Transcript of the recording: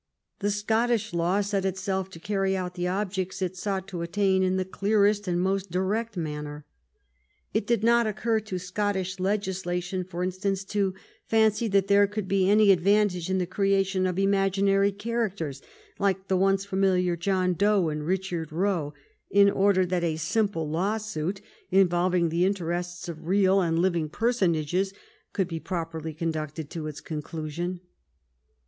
The Scottish law set itself to carry out the objects it sought to attain in the clearest and most direct manner. It did not occur to Scottish legislation, for instance, to fancy that there could be any advantage in the creation of imaginary characters like the once familiar John Doe and Richard Roe, in order that a simple lawsuit involving the interests of real and living'personages should be properly conducted to its conclusion.